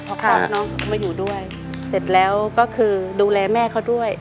พอคลอดน้องมาอยู่ด้วยเสร็จแล้วก็คือดูแลแม่เขาด้วย